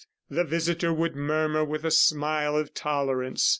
the visitor would murmur with a smile of tolerance.